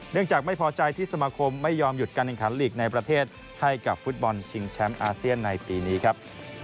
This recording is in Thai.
จากไม่พอใจที่สมาคมไม่ยอมหยุดการแข่งขันลีกในประเทศให้กับฟุตบอลชิงแชมป์อาเซียนในปีนี้ครับ